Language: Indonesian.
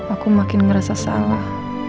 aku makin ngerasa salah